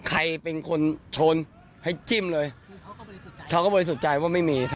ใครเป็นคนชนให้จิ้มเลยเขาก็บริสุทธิ์ใจว่าไม่มี